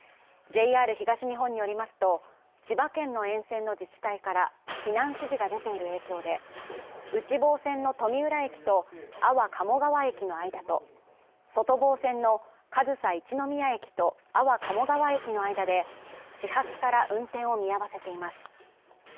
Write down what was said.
ＪＲ東日本によりますと、千葉県の沿線の自治体から避難指示が出ている影響で、内房線の富浦駅と安房鴨川駅の間と外房線の上総一ノ宮駅と安房鴨川駅の間で始発から運転を見合わせています。